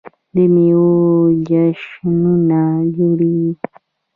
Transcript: د میوو جشنونه جوړیږي.